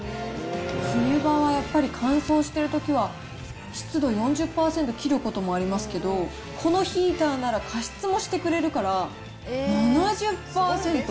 冬場はやっぱり乾燥しているときは、湿度４０％切ることもありますけど、このヒーターなら加湿もしてくれるから、７０％。